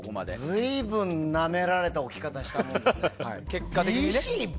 随分なめられた置き方したもんだ。